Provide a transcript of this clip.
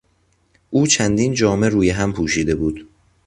او چندین جامه روی هم پوشیده بود.